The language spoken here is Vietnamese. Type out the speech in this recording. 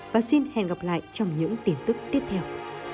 và xin hẹn gặp lại trong những tin tức tiếp theo